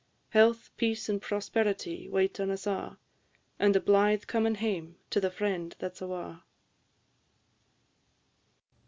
Health, peace, and prosperity wait on us a'; And a blithe comin' hame to the friend that 's awa'!